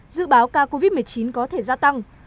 dự báo ca covid một mươi chín có thể gia tăng